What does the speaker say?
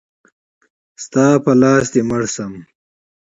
ستا په لاس دی مړ شم.